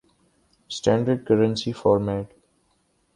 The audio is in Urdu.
standard currency format